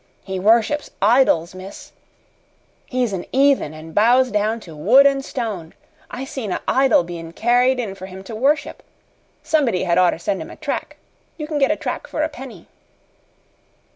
He worships idols, miss. He's an 'eathen an' bows down to wood an' stone. I seen a' idol bein' carried in for him to worship. Somebody had oughter send him a trac'. You can get a trac' for a penny."